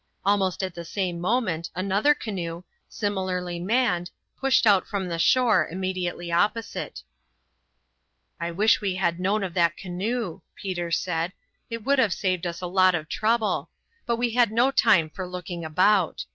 Almost at the same moment another canoe, similarly manned, pushed out from the shore immediately opposite. "I wish we had known of that canoe," Peter said; "it would have saved us a lot of trouble; but we had no time for looking about.